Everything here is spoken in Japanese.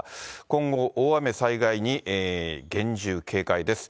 今後、大雨災害に厳重警戒です。